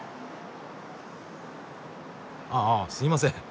ああすいません。